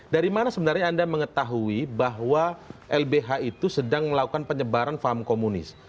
dari mana sebenarnya anda mengetahui bahwa lbh itu sedang melakukan penyebaran paham komunis